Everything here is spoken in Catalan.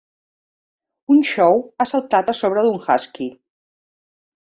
Un chow ha saltat a sobre d'un huskey.